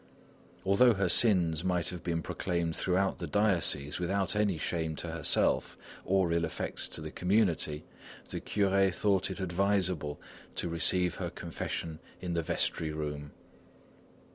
Although her sins might have been proclaimed throughout the diocese without any shame to herself, or ill effects to the community, the curé thought it advisable to receive her confession in the vestry room.